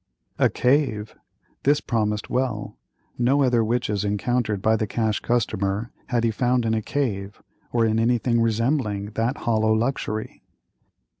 A cave! this promised well; no other witches encountered by the Cash Customer, had he found in a cave, or in anything resembling that hollow luxury.